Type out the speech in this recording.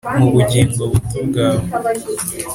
mubugingo butobwawe